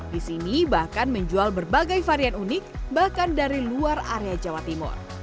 di sini bahkan menjual berbagai varian unik bahkan dari luar area jawa timur